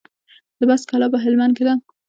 د بست کلا په هلمند کې ده